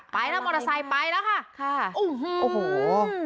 ไปแล้วมอเตอร์ไซค์ไปแล้วค่ะค่ะโอ้โห